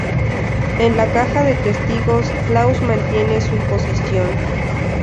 En la caja de testigos, Claus mantiene su posición.